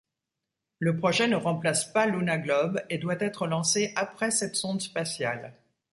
Le projet ne remplace pas Luna-Glob et doit être lancé après cette sonde spatiale.